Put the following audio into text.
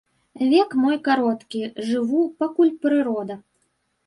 Век мой кароткі, жыву, пакуль прырода.